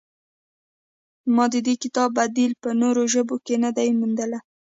ما د دې کتاب بدیل په نورو ژبو کې نه دی موندلی.